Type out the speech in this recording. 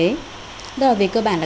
đó là về cơ bản là các bạn có thể làm được